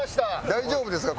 大丈夫ですか？